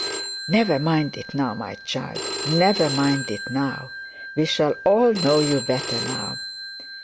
'Never mind it now, my child; never mind it now. We shall all know you better now.'